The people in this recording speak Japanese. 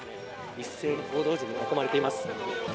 一斉に報道陣に囲まれています。